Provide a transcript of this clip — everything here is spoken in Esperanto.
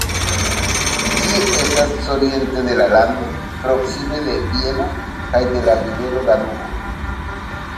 Ĝi estas oriente de la lando, proksime de Vieno kaj de la rivero Danubo.